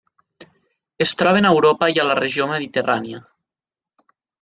Es troben a Europa i a la regió mediterrània.